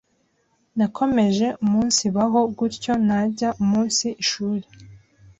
Nakomeje umunsibaho gutyo najya umunsi ishuri